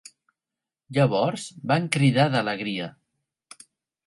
Llavors, van cridar d'alegria!